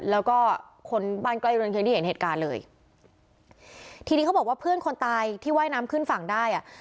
แล้วก็คนบ้านใกล้เรือนเคียงที่เห็นเหตุการณ์เลยทีนี้เขาบอกว่าเพื่อนคนตายที่ว่ายน้ำขึ้นฝั่งได้อ่ะ